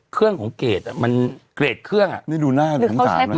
เครื่องของเกรดอ่ะมันเกรดเครื่องอ่ะนี่ดูหน้าสงสารนะ